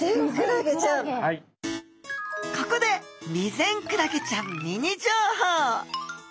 ここでビゼンクラゲちゃんミニ情報！